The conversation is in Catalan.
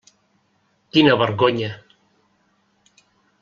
Quina vergonya!